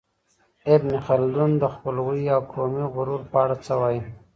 ابن خلدون د خپلوۍ او قومي غرور په اړه څه وايي؟